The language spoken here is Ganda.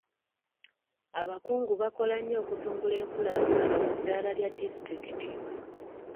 Abakungu bakola nnyo okutumbula enkulaakulana ku ddaala lya disitulikiti.